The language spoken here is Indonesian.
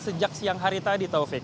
sejak siang hari tadi taufik